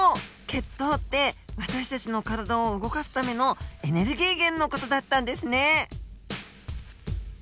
血糖って私たちの体を動かすためのエネルギー源の事だったんですね。